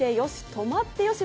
泊まってよし！